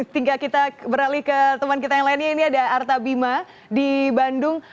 tinggal kita beralih ke teman kita yang lainnya ini ada arta bima di bandung